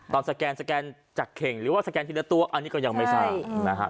สแกนสแกนจากเข่งหรือว่าสแกนทีละตัวอันนี้ก็ยังไม่ทราบนะฮะ